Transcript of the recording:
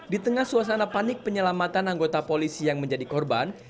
di tengah suasana panik penyelamatan anggota polisi yang menjadi korban